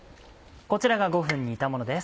こちらが５分煮たものです。